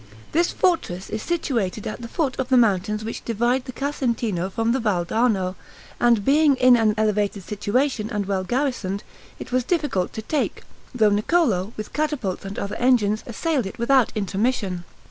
This fortress is situated at the foot of the mountains which divide the Casentino from the Val d'Arno; and being in an elevated situation, and well garrisoned, it was difficult to take, though Niccolo, with catapults and other engines, assailed it without intermission.